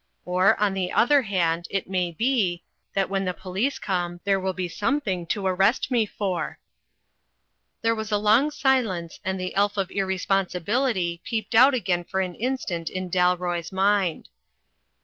Or, on the other hand, it may be — ^that i64 THE FLYING INN when the police come there will be something to arrest me for." There was a long silence, and the elf of irresponsi bility peeped out again for an instant in Dalroy's mind.